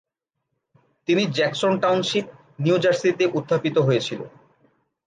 তিনি Jackson township, New জার্সিতে উত্থাপিত হয়েছিল।